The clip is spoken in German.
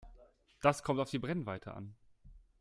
Das kommt auf die Brennweite an.